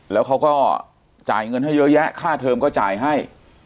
แล้วเขาก็จ่ายเงินให้เยอะแยะค่าเทอมก็จ่ายให้